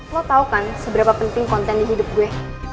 lo tau kan seberapa penting konten di hidup gue